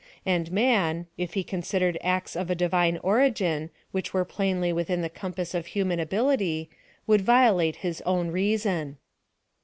And man, if he consid ered acts of a divine origin, which were phnnly within the compass of human ability, would violate his own reason.